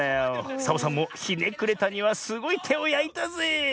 サボさんもひねくれたにはすごいてをやいたぜえ。